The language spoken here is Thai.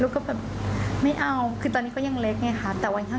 แล้วก็แบบไม่เอาคือตอนนี้ก็ยังเล็กไงค่ะ